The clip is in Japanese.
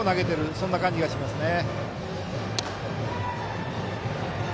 そんな感じがしますね。